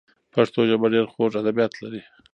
پښتو ژبه ډېر خوږ ادبیات لري.